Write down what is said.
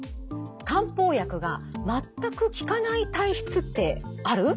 「漢方薬が全く効かない体質ってある？」。